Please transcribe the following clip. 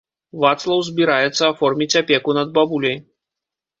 Вацлаў збіраецца аформіць апеку над бабуляй.